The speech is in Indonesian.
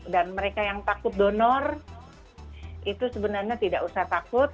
mereka yang takut donor itu sebenarnya tidak usah takut